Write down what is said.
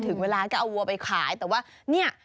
ถึงเวลาก็เอาวัวไปขายแต่ว่าเนี่ย